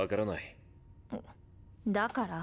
んだから？